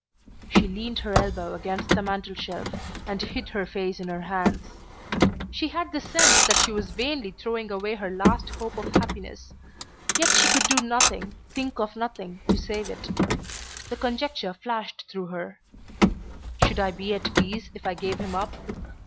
She leaned her elbow against the mantel shelf and hid her face in her hands. She had the sense that she was vainly throwing away her last hope of happiness, yet she could do nothing, think of nothing, to save it. The conjecture flashed through her: "Should I be at peace if I gave him up?"